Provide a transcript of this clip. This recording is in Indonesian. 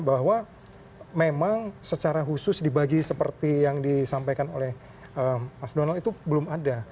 bahwa memang secara khusus dibagi seperti yang disampaikan oleh mas donald itu belum ada